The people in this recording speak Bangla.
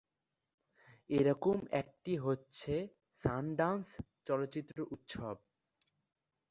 এরকম একটি হচ্ছে সানড্যান্স চলচ্চিত্র উৎসব।